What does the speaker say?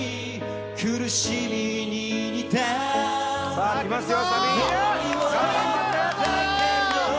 さあきますよ